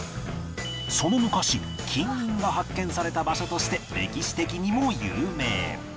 その昔金印が発見された場所として歴史的にも有名